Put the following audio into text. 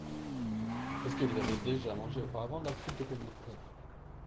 Est-ce que vous avez déjà mangé auparavant de la soupe de pommes-de-terre ?